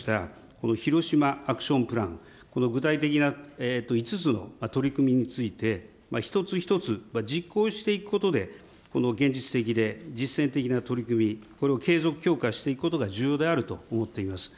このヒロシマ・アクション・プラン、この具体的な、５つの取り組みについて、一つ一つ実行していくことで、現実的で実践的な取り組み、これを継続強化していくことが重要であると思っています。